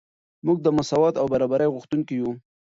موږ د مساوات او برابرۍ غوښتونکي یو.